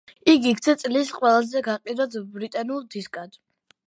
იგი იქცა წლის ყველაზე გაყიდვად ბრიტანულ დისკად.